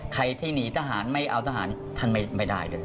ใครที่หนีทหารไม่เอาทหารท่านไม่ได้เลย